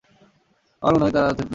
আমার মনে হয় আপনার থিউরী সঠিক!